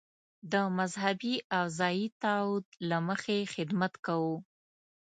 د مذهبي او ځايي تعهد له مخې خدمت کوو.